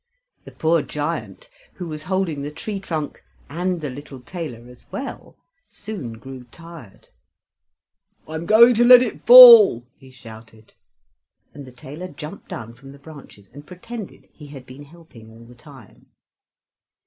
The poor giant, who was holding the tree trunk and the little tailor as well, soon grew tired. "I'm going to let it fall!" he shouted, and the tailor jumped down from the branches, and pretended he had been helping all the time.